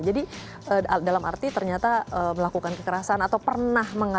jadi dalam arti ternyata melakukan kekerasan atau pernah mengalami